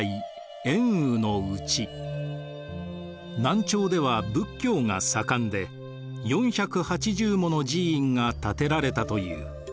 「南朝では仏教が盛んで４８０もの寺院が建てられたという。